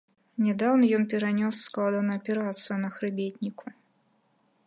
Нядаўна ён перанёс складаную аперацыю на хрыбетніку.